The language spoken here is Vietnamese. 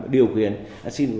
điều quyền ăn xin